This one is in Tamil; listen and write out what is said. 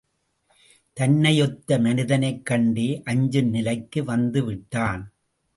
தன்னையொத்த மனிதனைக் கண்டே அஞ்சும் நிலைக்கு வந்துவிட்டான்.